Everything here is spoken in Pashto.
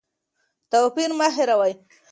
توپیر مه هېروئ.